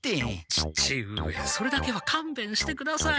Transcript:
父上それだけはかんべんしてください。